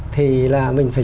thì là mình phải